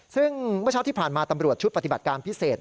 ซึ่งเมื่อเช้าที่ผ่านมาตำรวจชุดปฏิบัติการพิเศษ